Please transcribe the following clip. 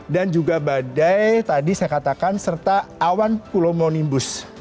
dan juga badai tadi saya katakan serta awan pulmonimbus